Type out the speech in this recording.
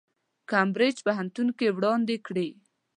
کمبریج پوهنتون کې وړاندې کړي.